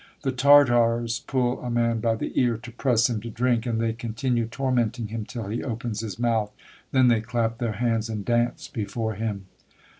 The Tartars pull a man by the ear to press him to drink, and they continue tormenting him till he opens his mouth; then they clap their hands and dance before him.